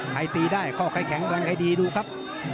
ใครตีได้ข้อแข็งแรงใครดีดูครับ